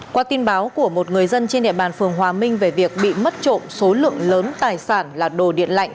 qua tin báo của một người dân trên địa bàn phường hòa minh về việc bị mất trộm số lượng lớn tài sản là đồ điện lạnh